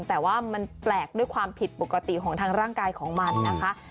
แต่ว่ามันแปลกด้วยความผิดปกติของทางร่างกายของมันนะคะ